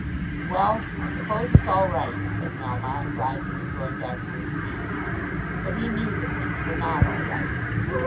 "Well; I suppose it's all right," said Melmotte, rising and going back to his seat. But he knew that things were not all right.